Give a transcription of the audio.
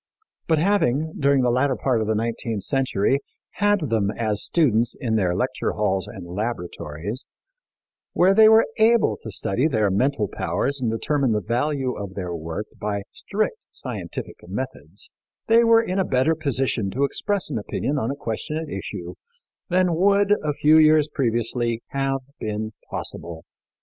But having, during the latter part of the nineteenth century, had them as students in their lecture halls and laboratories, where they were able to study their mental powers and determine the value of their work by strict scientific methods, they were in a better position to express an opinion on the question at issue than would, a few years previously, have been possible.